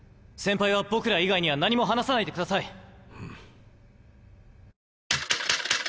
先輩は僕ら以外には何も話さないでください。